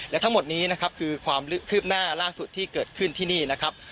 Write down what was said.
และทั้งหมดนี้นะครับคือความคืบหน้าล่าสุดที่เกิดขึ้นที่นี่นะครับ